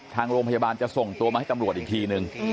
ทางโรงพยาบาลจะส่งตัวมาให้ตำรวจอีกทีนึง